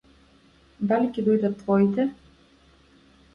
Дали ќе дојдат твоите?